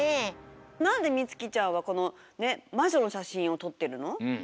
なんでみつきちゃんはこのまじょのしゃしんをとってるの？